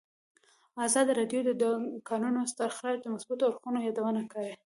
ازادي راډیو د د کانونو استخراج د مثبتو اړخونو یادونه کړې.